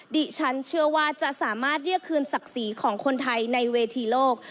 ดิฉันเชื่อว่าจะสามารถเรียกคืนศักดิ์ศรีของคนไทยในเวทีโลก